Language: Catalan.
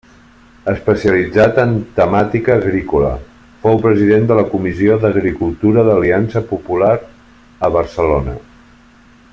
Especialitzat en temàtica agrícola, fou president de la comissió d'agricultura d'Aliança Popular a Barcelona.